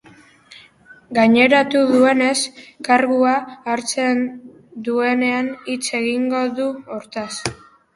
Gaineratu duenez, kargua hartzen duenean hitz egingo du hortaz.